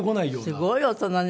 すごい大人ね。